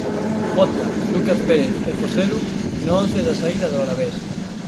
Jota, Lucas Pérez e Joselu, no once de saída do Alavés.